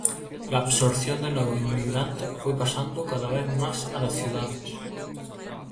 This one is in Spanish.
La absorción de nuevos inmigrantes fue pasando cada vez más a las ciudades.